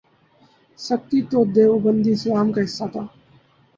سختی تو دیوبندی اسلام کا حصہ تھا۔